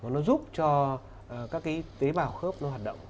nó giúp cho các tế bào khớp hoạt động